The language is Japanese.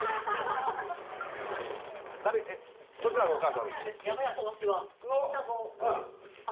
どちらがお母さんですか？